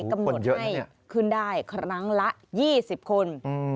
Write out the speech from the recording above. กำหนดให้ขึ้นได้ครั้งละ๒๐คน